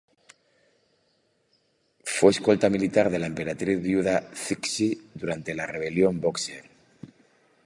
Fue escolta militar de la emperatriz viuda Cixi durante la Rebelión Bóxer.